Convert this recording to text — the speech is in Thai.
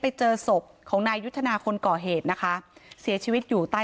ไปเจอศพของนายยุทธนาคนก่อเหตุนะคะเสียชีวิตอยู่ใต้